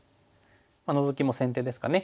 ノゾキも先手ですかね。